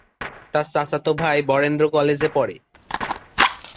তার চাচাতো ভাই বরেন্দ্র কলেজে পড়ে।